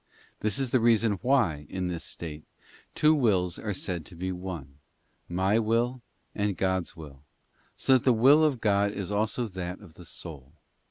This is the reason why, in this state, two wills are said to be one— my will and God's will—so that the will of God is also that of the soul.